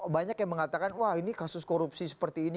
banyak yang mengatakan wah ini kasus korupsi seperti ini